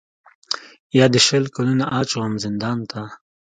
یا دي شل کلونه اچوم زندان ته